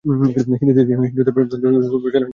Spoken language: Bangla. তিনি হিন্দু ধর্মের প্রচারের জন্য স্মরণীয়।